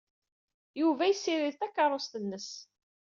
Yebda yessirid takeṛṛust-nnes.